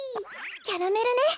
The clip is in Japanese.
キャラメルね。